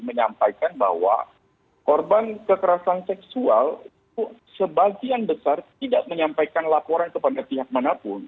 menyampaikan bahwa korban kekerasan seksual itu sebagian besar tidak menyampaikan laporan kepada pihak manapun